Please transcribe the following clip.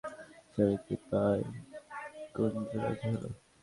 ঈশ্বরের কৃপায় গুঞ্জু রাজি হলো।